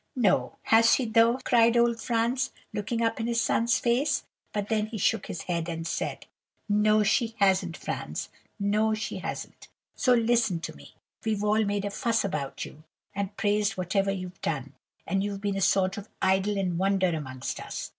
"'No, has she though?' cried old Franz, looking up in his son's face; but then he shook his head, and said:— "'No, she hasn't, Franz; no, she hasn't; so listen to me. We've all made a fuss about you, and praised whatever you've done, and you've been a sort of idol and wonder among us.